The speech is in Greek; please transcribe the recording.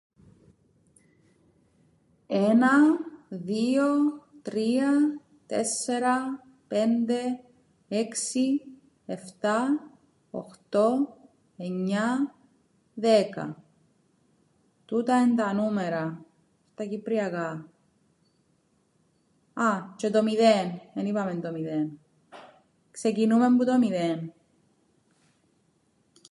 Ένα, δ΄υο, τρία τέσσερα, πέντε, έξι, εφτά, οχτώ, εννιά, δέκα. Τούτα εν' τα νούμερα τα κυπριακά. Α, τζ̆αι το μηδέν, εν είπαμεν το μηδέν. Ξεκινούμεν που το μηδέν.